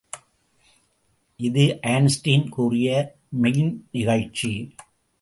இது ஐன்ஸ்டீன் கூறிய மெய்ந்நிகழ்ச்சி.